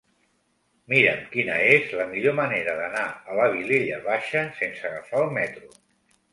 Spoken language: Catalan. Mira'm quina és la millor manera d'anar a la Vilella Baixa sense agafar el metro.